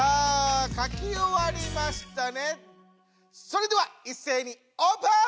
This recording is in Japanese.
それではいっせいにオープン！